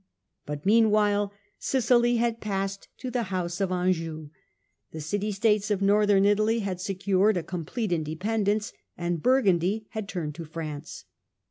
But meanwhile Sicily had passed to the House of Anjou ; the city states of Northern Italy had secured a complete independence ; and Burgundy had turned to France.